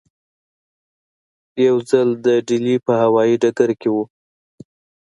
یو ځل د ډیلي په هوایي ډګر کې وو.